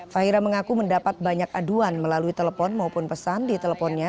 fahira mengaku mendapat banyak aduan melalui telepon maupun pesan di teleponnya